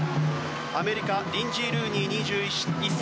アメリカリンジー・ルーニー、２１歳。